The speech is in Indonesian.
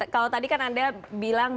kalau tadi kan anda bilang